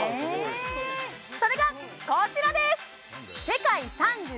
それがこちらです！